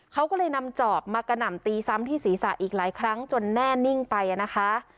เขาก็เลยนำจอบมากระหน่ำตีซ้ำที่ศีรษะอีกหลายครั้งจนแน่นิ่งไปนะคะ